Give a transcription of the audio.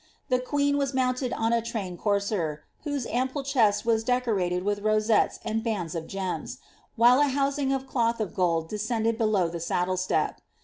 The queen was mounted on a trained courier, whoM impte chest was decorated with rosettes and bands of gems, whiie « housing of cloth of gold descended below the saddle step.